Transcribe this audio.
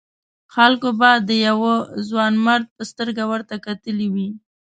خلکو به د یوه ځوانمرد په سترګه ورته کتلي وي.